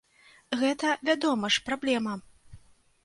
Гэта, вядома ж, праблема.